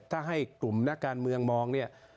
ถ้าให้กลุ่มนักการเมืองมองเนี่ย